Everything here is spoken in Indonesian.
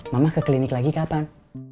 mama ke klinik lagi kapan